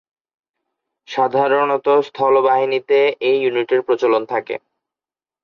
সাধারণত স্থল বাহিনীতে এই ইউনিটের প্রচলন থাকে।